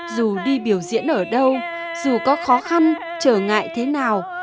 dù đi biểu diễn ở đâu dù có khó khăn trở ngại thế nào